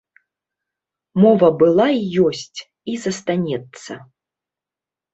Мова была і ёсць, і застанецца.